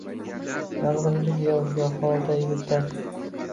Yolgʼizlik yov, yuhoday yutar